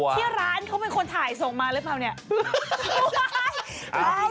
ที่ร้านเขาเป็นคนถ่ายส่งมาหรือเปล่าเนี่ย